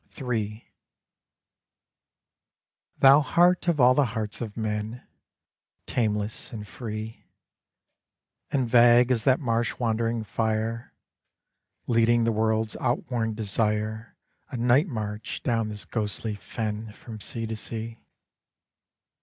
III Thou heart of all the hearts of men, Tameless and free, And vague as that marsh wandering fire, Leading the world's outworn desire A night march down this ghostly fen From sea to sea!